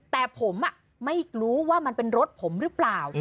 แต่ผมไม่รู้ว่ามันเป็นรถผมหรือเปล่า